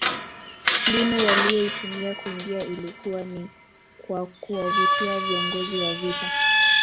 Mbinu waliyoitumia kuingia ilikuwa ni kwa kuwavutia viongozi wa vita